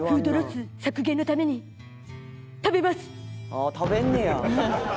「ああ食べんねや」